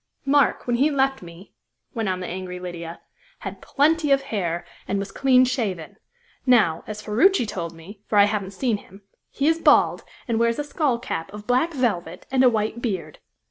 "Mark, when he left me," went on the angry Lydia, "had plenty of hair, and was clean shaven. Now as Ferruci told me, for I haven't seen him he is bald, and wears a skull cap of black velvet, and a white beard.